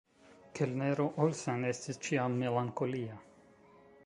Kelnero Olsen estis ĉiam melankolia.